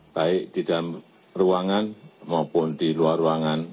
baik di dalam ruangan maupun di luar ruangan